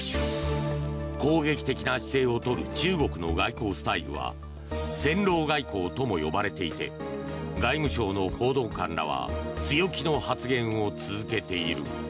攻撃的な姿勢をとる中国の外交スタイルは戦狼外交とも呼ばれていて外務省の報道官らは強気の発言を続けている。